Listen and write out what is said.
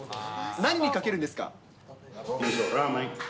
何にかけるんですか？